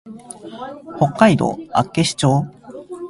北海道厚岸町